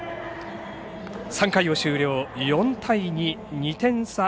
３回を終了、４対２、２点差。